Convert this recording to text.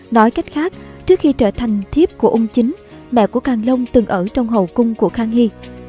nói cách khác trước khi trở thành thiếp của ung chính mẹ của càng long từng ở trong hậu cung của khang hy